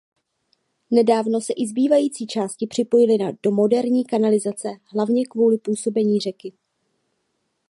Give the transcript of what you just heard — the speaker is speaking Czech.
Nedávno se i zbývající části připojily do moderní kanalizace hlavně kvůli působení řeky.